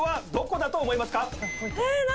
え何？